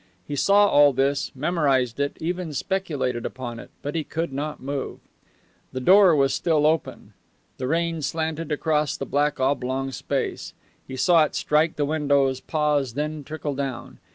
He saw all this, memorized it, even speculated upon it; but he could not move. The door was still open. The rain slanted across the black oblong space. He saw it strike the windows, pause, then trickle down.